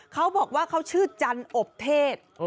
เขาบอกว่าเขาชื่อจันอบเทศ